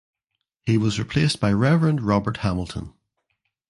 He was replaced by Rev Robert Hamilton.